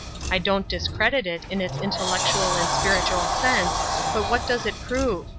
I don't discredit it in its intellectual and spiritual sense, but what does it prove